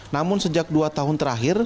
namun sejak dua tahun terakhir